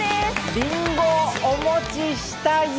りんご、お持ちしたよ。